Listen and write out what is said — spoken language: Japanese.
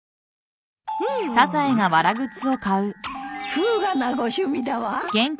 風雅なご趣味だわ。